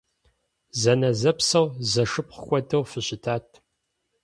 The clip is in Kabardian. Зэнэзэпсэу, зэшыпхъу хуэдэу фыщытат!